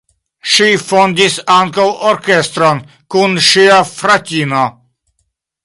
Ŝi fondis ankaŭ orkestron kun ŝia fratino.